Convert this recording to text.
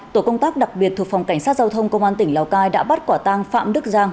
tổ công tác đặc biệt thuộc phòng cảnh sát giao thông công an tỉnh lào cai đã bắt quả tang phạm đức giang